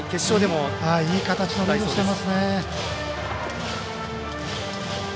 いい形のリードしてますね。